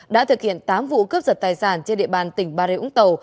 đã thực hiện tám vụ cướp giật tài sản trên địa bàn tỉnh bà rịa úng tàu